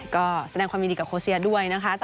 ก็แสดงความยินดีกับโคเซียด้วยนะคะ